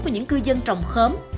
của những cư dân trồng khóm